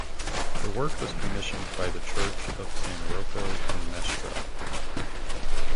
The work was commissioned by the church of San Rocco in Mestre.